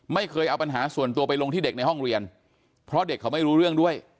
ไม่เคยเอาปัญหาส่วนตัวไปลงที่เด็กในห้องเรียนเพราะเด็กเขาไม่รู้เรื่องด้วย